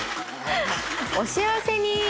お幸せに。